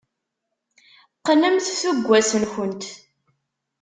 Qqnemt tuggas-nkent.